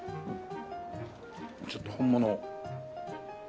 ちょっと本物を。